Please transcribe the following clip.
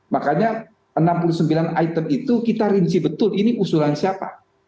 makanya enam puluh sembilan item itu kita rinci betul ini usulan siapa